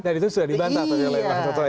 dan itu sudah dibantah tadi oleh toto ya